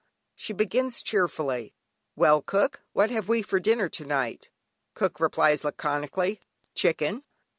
She begins cheerfully: "Well cook, what have we for dinner to night?" Cook replies laconically, "Chicken."